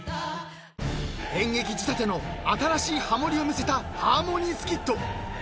［演劇仕立ての新しいハモりを見せたハーモニースキット］